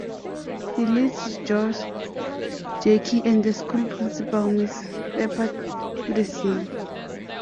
He leads Josh, Jackie, and the school principal Ms. Pepper to the scene.